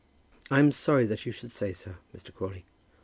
"I'm sorry that you should say so, Mr. Crawley."